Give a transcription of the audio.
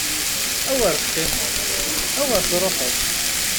Awer teqqimeḍ! Awer truḥeḍ!